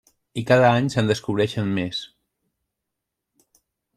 I cada any se'n descobreixen més.